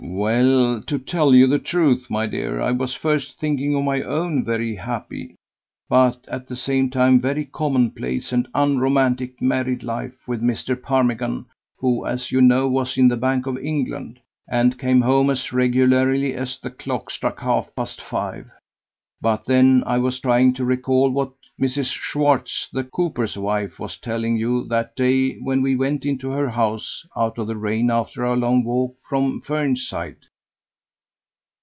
"Well, to tell you the truth, my dear, I was first thinking of my own very happy, but at the same time very commonplace and unromantic married life with Mr. Parmigan, who, as you know, was in the Bank of England, and came home as regularly as the clock struck half past five; but then I was trying to recall what Mrs. Schwartz the cooper's wife was telling you that day when we went into her house out of the rain after our long walk from Fernside."